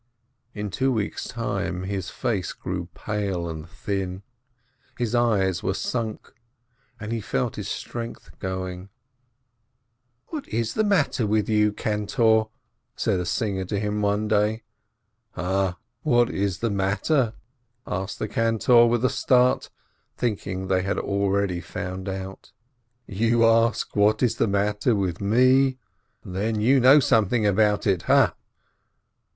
In two weeks time his face grew pale and thin, his eyes were sunk, and he felt his strength going. "What is the matter with you, cantor?" said a singer to him one day. "Ha, what is the matter?" asked the cantor, with a start, thinking they had already found out. "You ask what is the matter with me ? Then you know something about it, ha